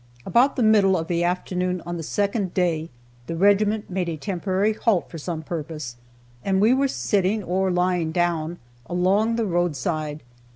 About the middle of the afternoon on the second day the regiment made a temporary halt for some purpose, and we were sitting, or lying down, along the road side.